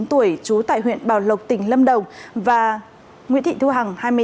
trú tại huyện bào lộc tỉnh lâm đồng và nguyễn thị thu hằng hai mươi tám tuổi